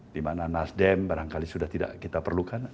dimana nasdem barangkali sudah tidak kita perlukan